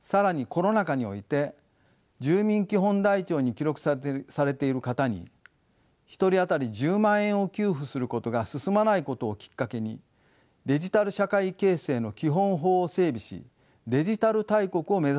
更にコロナ禍において住民基本台帳に記録されている方に１人当たり１０万円を給付することが進まないことをきっかけにデジタル社会形成の基本法を整備しデジタル大国を目指そうとしました。